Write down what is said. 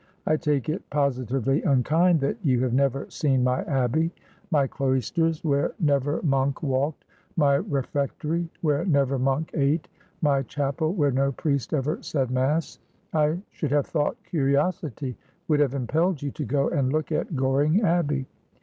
I take it posi tively unkind that you have never seen my Abbey : my cloisters where never monk walked ; my refectory, where never monk ate ; my chapel, where no priest ever said mass. I should have thought curiosity would have impelled you to go and look at Goring Abbey.